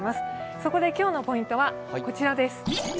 そこで今日のポイントはこちらです。